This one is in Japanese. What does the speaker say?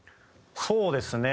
そうですね。